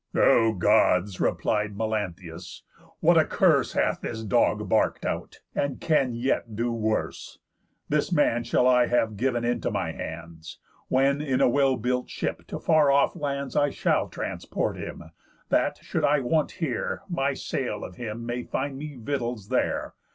"O Gods!" replied Melanthius, "what a curse Hath this dog bark'd out, and can yet do worse! This man shall I have giv'n into my hands, When in a well built ship to far off lands I shall transport him, that, should I want here, My sale of him may find me victuals there.